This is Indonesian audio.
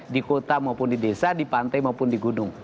di kota maupun di desa di pantai maupun di gunung